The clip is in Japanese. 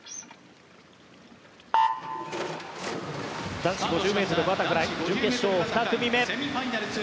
男子５０ｍバタフライ準決勝２組目。